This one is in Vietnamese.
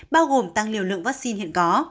bao gồm tăng liều lượng vaccine hiện có